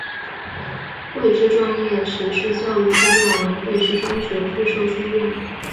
汇知专业持续教育书院为汇知中学附设书院。